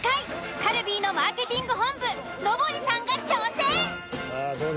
「カルビー」のマーケティング本部さあどうだ？